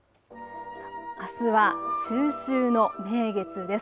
あすは中秋の名月です。